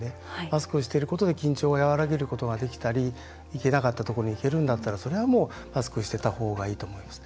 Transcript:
マスクをしていることで緊張が和らげることができたり行けなかったところに行けるんだったらそれはもうマスクをしてた方がいいと思います。